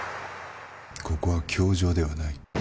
ここは教場ではない。